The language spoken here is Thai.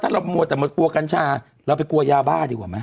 เรามัวแต่มันกลัวกัญชาเราไปกลัวยาบ้าดีกว่าไหม